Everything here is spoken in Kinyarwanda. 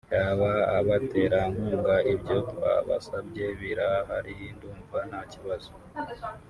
yaba abaterankunga ibyo twabasabye birahari ndumva nta kibazo